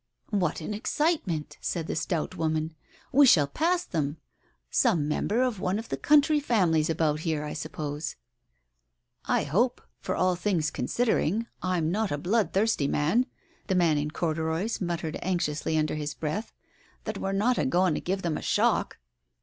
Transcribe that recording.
"What an excitement !" said the stout woman. "We shall pass them. Some member of one of the country famflies abput here, I suppose." "I hope — for all things considering, I'm not a blood thirsty man," the man in corduroys muttered anxiously under his breath, "that we're not a going to give them a shock